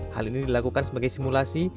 hal ini dilakukan sebagai simulasi